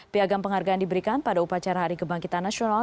piagam penghargaan diberikan pada upacara hari kebangkitan nasional